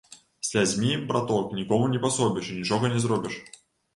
Слязьмі, браток, нікому не пасобіш і нічога не зробіш.